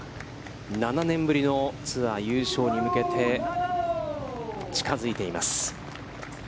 ７年ぶりのツアー優勝に向けて近づいています。